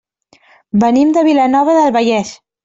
Venim de Vilanova del Vallès.